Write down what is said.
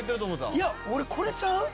いや俺これちゃう？